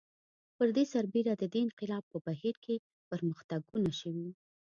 پر دې سربېره د دې انقلاب په بهیر کې پرمختګونه شوي